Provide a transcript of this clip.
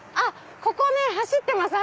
ここね走ってます